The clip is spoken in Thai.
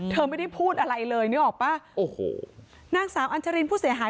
เธอไม่ได้พูดอะไรเลยนั่งสามอัญชริงผู้เสียหาย